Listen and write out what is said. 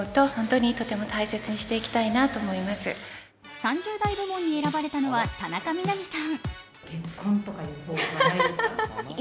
３０代部門に選ばれたの田中みな実さん。